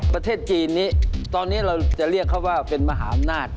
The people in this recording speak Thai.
ประเทศจีนนี้ตอนนี้เราจะเรียกเขาว่าเป็นมหาอำนาจ